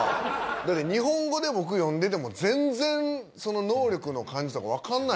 だって日本語で僕読んでても全然その能力の感じとかわかんないですもん。